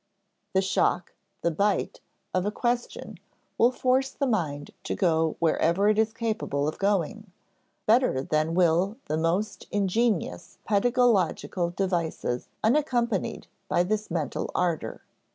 The shock, the bite, of a question will force the mind to go wherever it is capable of going, better than will the most ingenious pedagogical devices unaccompanied by this mental ardor.